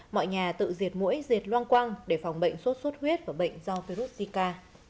mọi nhà tự diệt mũi diệt loang quang để phòng bệnh sốt sốt huyết và bệnh do virus zika